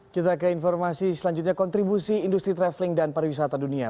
kita ke informasi selanjutnya kontribusi industri traveling dan pariwisata dunia